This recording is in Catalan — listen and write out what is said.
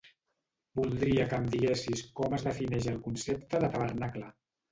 Voldria que em diguessis com es defineix el concepte de tabernacle.